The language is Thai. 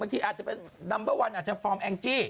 ทีอาจจะเป็นนัมเบอร์วันอาจจะฟอร์มแองจี้